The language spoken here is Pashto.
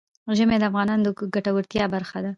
ژمی د افغانانو د ګټورتیا برخه ده.